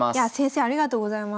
ありがとうございます。